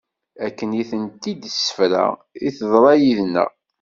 Akken i tent-id-issefra i teḍra yid-nneɣ.